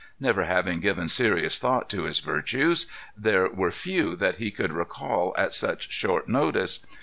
Never having given serious thought to his virtues, there were few that he could recall at such short notice.